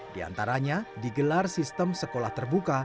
di antaranya digelar sistem sekolah terbuka